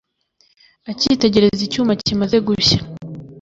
akitegereza icyuma kimaze gushya